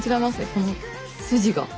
この筋が。